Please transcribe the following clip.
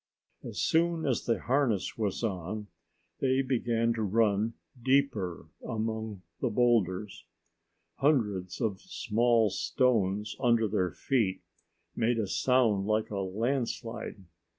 As soon as the harness was on, they began to run deeper among the boulders. Hundreds of small stones under their feet made a sound like a landslide.